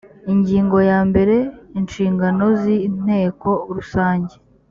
ingingo ya mbere inshingano z inteko rusange